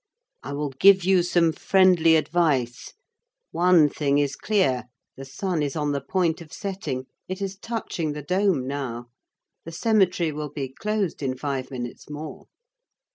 I will give you some friendly advice. One thing is clear, the sun is on the point of setting, it is touching the dome now, the cemetery will be closed in five minutes more."